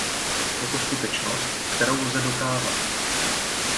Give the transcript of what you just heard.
Je to skutečnost, kterou lze dokázat.